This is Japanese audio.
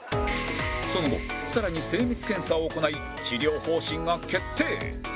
その後更に精密検査を行い治療方針が決定！